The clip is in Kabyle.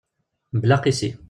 Mebla aqisi.